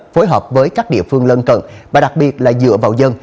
phối hợp với các địa phương lân cận và đặc biệt là dựa vào dân